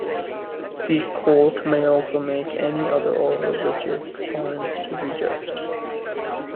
The court may also make any other order which it finds to be just.